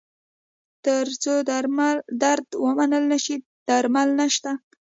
تر څو درد ومنل نه شي، درمل نشته.